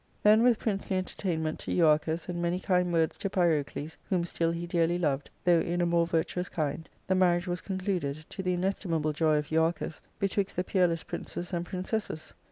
Then with princely entertainment to Euarchus, and many kind words to Pyrocles, whom still he dearly tbved, though in a more virtuous kind, the marriage was concluded, to the inestimable joy of Euarchus, betwixt the peerless princes and princesses.